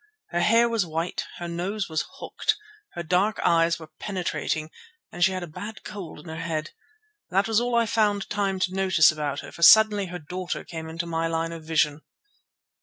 Her hair was white, her nose was hooked, her dark eyes were penetrating, and she had a bad cold in her head. That was all I found time to notice about her, for suddenly her daughter came into my line of vision.